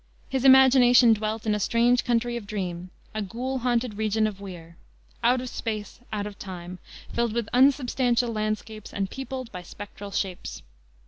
His imagination dwelt in a strange country of dream a "ghoul haunted region of Weir," "out of space, out of time" filled with unsubstantial landscapes, and peopled by spectral shapes.